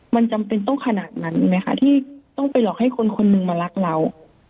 มันจำเป็นต้องขนาดนั้นไหมคะที่ต้องไปหลอกให้คนคนหนึ่งมารักเรา